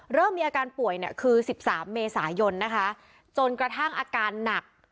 เริ่มมีอาการป่วยเนี่ยคือ๑๓เมษายนนะคะจนกระทั่งอาการหนัก